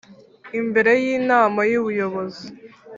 Imbere y Inama y Ubuyobozi